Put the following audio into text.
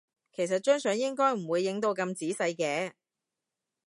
其實張相應該唔會影到咁仔細嘅